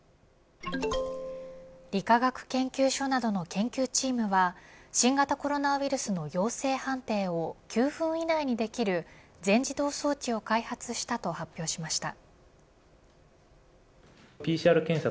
理科学研究所などの研究チームは新型コロナウイルスの陽性判定を９分以内にできる全自動装置を開発したと発表しました。